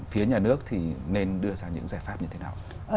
phía nhà nước thì nên đưa ra những giải pháp như thế nào